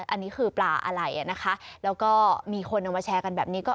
อันนี้คือปลาอะไรอ่ะนะคะแล้วก็มีคนเอามาแชร์กันแบบนี้ก็